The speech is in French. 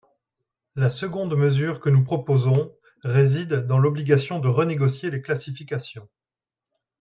La seconde mesure que nous proposons réside dans l’obligation de renégocier les classifications.